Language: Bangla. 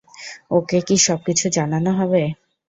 ওকে কি সবকিছু জানানো হবে?